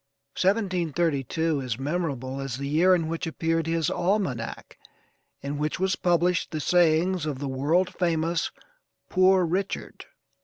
1732 is memorable as the year in which appeared his almanac in which was published the sayings of the world famous 'Poor Richard.'